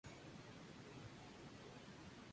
Tiene la fama de taumaturgo.